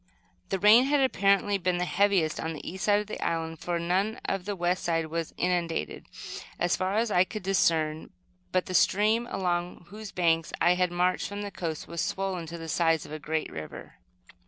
The rain had apparently been the heaviest on the east side of the island, for none of the west side was inundated, as far as I could discern; but the stream, along whose banks I had marched from the coast, was swollen to the size of a great river.